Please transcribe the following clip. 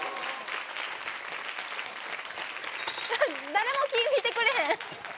誰も見てくれへん。